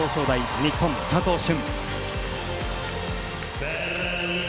日本、佐藤駿。